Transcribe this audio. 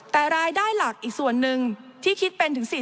แต่รายได้หลักอีกส่วนหนึ่งที่คิดเป็นถึง๔๐